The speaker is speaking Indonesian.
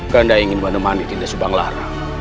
kanda ingin menemani dinda subanglar